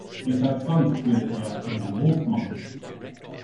Weshalb sonst würde er ihr den Hof machen?